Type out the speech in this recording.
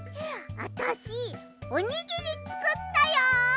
あたしおにぎりつくったよ！